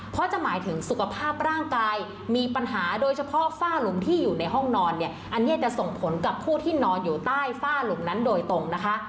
เพราะจะหมายถึงสุขภาพร่างกายมีปัญหาโดยเฉพาะฝ้าหลุมที่อยู่ในห้องนอนเนี่ยอันนี้จะส่งผลกับผู้ที่นอนอยู่ใต้ฝ้าหลุมนั้นโดยตรงนะคะ